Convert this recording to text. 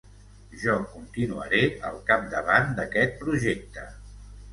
Jo continuaré al capdavant d’aquest projecte.